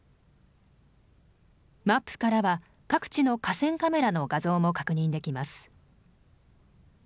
マップからは各地の河川カメラの画像も確認できます。